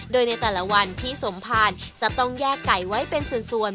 โดยในแต่ละวันพี่สมภารจะต้องแยกไก่ไว้เป็นส่วน